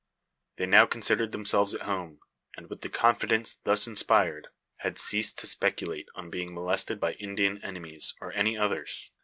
They now considered themselves at home; and, with the confidence thus inspired, had ceased to speculate, on being molested by Indian enemies, or any others.